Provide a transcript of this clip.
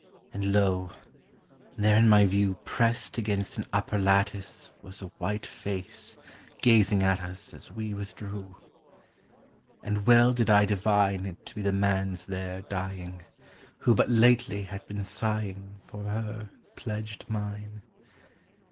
And lo, there in my view Pressed against an upper lattice Was a white face, gazing at us As we withdrew. And well did I divine It to be the man's there dying, Who but lately had been sighing For her pledged mine.